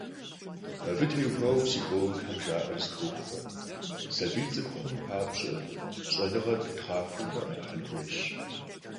Абы теухуауэ психологхэм жаӀэр зэтохуэ: сабийр цӀыху хъун папщӀэ щӀэныгъэр пытхъахуэурэ Ӏэрыхьэн хуейщ.